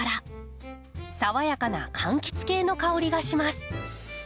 爽やかなかんきつ系の香りがします。